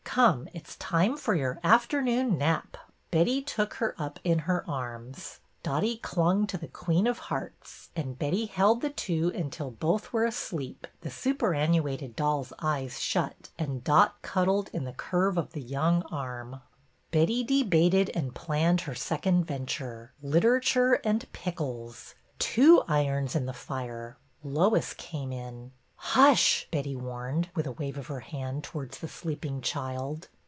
Come, it 's time for your afternoon nap." Betty took her up in her arms. Dotty clung to the Queen of Hearts, and Betty held the two until both were asleep, — the superannuated doll's eyes shut and Dot cuddled in the curve of the young arm. 70 BETTY BAIRD'S VENTURES Betty debated and planned her second venture, Literature and pickles. Two irons in the fire! Lois came in. '' Hush I " Betty warned, with a wave of her hand towards the sleeping child.